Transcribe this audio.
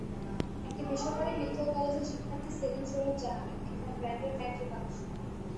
একটি বেসরকারি মেডিকেল কলেজের শিক্ষার্থী সেলিম সৌরভ জানালেন, এখানে ব্র্যান্ডের প্যান্টের কালেকশন ভালো।